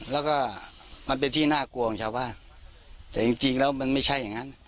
แล้วก็มันเป็นที่น่ากลัวของชาวบ้านแต่จริงจริงแล้วมันไม่ใช่อย่างนั้น